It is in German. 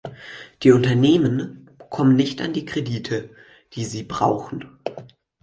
Die Unternehmen kommen nicht an die Kredite, die sie brauchen.